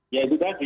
ya itu tadi